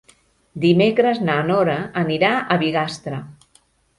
Dimecres na Nora anirà a Bigastre.